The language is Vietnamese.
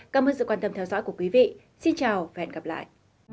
cảm ơn các bạn đã theo dõi và hẹn gặp lại